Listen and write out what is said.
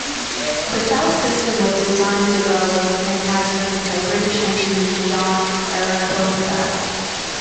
The Fell system was designed, developed and patented by British engineer John Barraclough Fell.